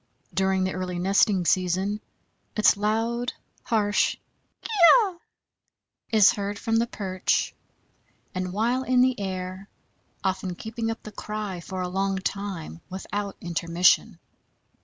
During the early nesting season its loud, harsh kee oe is heard from the perch and while in the air, often keeping up the cry for a long time without intermission.